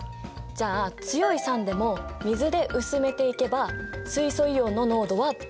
じゃあ強い酸でも水で薄めていけば水素イオンの濃度はどうなるかな？